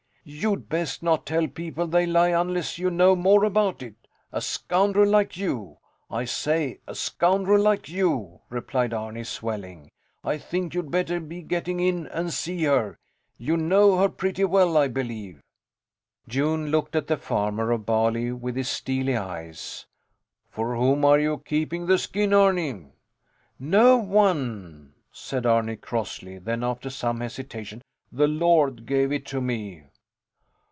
You'd best not tell people they lie unless you know more about it. A scoundrel like you, I say, a scoundrel like you! replied Arni, swelling. I think you'd better be getting in and see her. You know her pretty well, I believe. Jon looked at the farmer of Bali with his steely eyes. For whom are you keeping the skin, Arni? No one, said Arni, crossly; then after some hesitation: The Lord gave it to me.